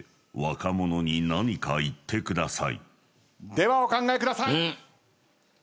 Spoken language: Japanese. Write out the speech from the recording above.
ではお考えください。